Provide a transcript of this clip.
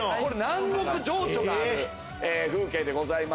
南国情緒がある風景でございます。